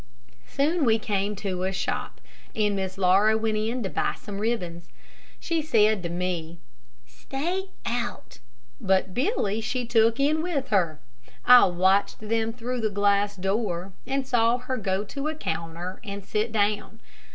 Soon we came to a shop, and Miss Laura went in to buy some ribbons. She said to me, "Stay out," but Billy she took in with her. I watched them through the glass door, and saw her go to a counter and sit down.